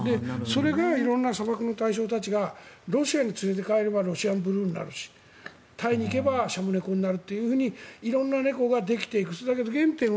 それが、色んな砂漠の人たちがロシアに連れて帰ればロシアンブルーになるしタイに行けばシャムネコになるというふうに色んな猫ができていく。